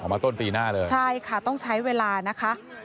มาต้นปีหน้าเลยใช่ค่ะต้องใช้เวลานะคะ